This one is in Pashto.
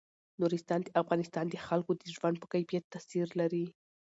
نورستان د افغانستان د خلکو د ژوند په کیفیت تاثیر لري.